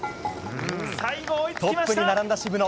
トップに並んだ渋野。